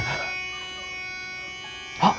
あっ！